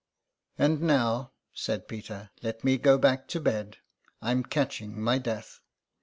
''And now/' said Peter, 'Met me go back to bed. I am catching my death."